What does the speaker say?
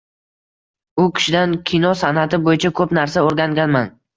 U kishidan kino san’ati bo‘yicha ko‘p narsa o‘rganganman.